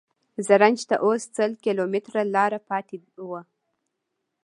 زرنج ته اوس سل کیلومتره لاره پاتې وه.